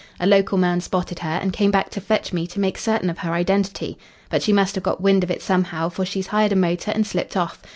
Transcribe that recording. A local man spotted her and came back to fetch me to make certain of her identity. But she must have got wind of it somehow, for she's hired a motor and slipped off.